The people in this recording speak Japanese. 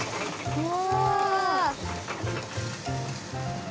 うわ！